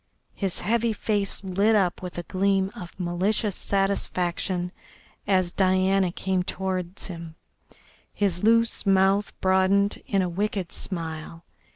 His heavy face lit up with a gleam of malicious satisfaction as Diana came towards him, his loose mouth broadened in a wicked smile.